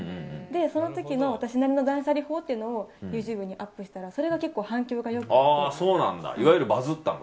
その時の私なりの断捨離法をＹｏｕＴｕｂｅにアップしたらそれが結構反響が良くて。